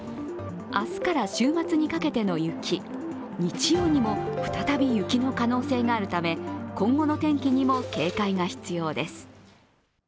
明日から週末にかけての雪、日曜にも再び雪の可能性があるため今後の天気にも警戒が必要です。